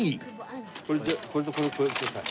これとこれとこれください。